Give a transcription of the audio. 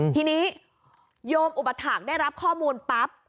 ทีนี้โยมอุปถาคได้รับข้อมูลปั๊บ